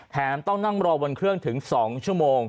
ต้องนั่งรอบนเครื่องถึง๒ชั่วโมง